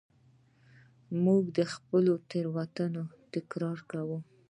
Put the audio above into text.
موږ د خپلو تېروتنو تکرار کوو.